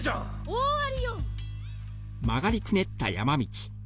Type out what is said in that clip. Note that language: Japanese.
大ありよ！